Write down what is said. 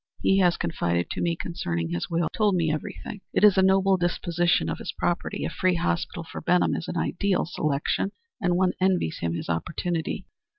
He has confided to me concerning his will told me everything. It is a noble disposition of his property. A free hospital for Benham is an ideal selection, and one envies him his opportunity."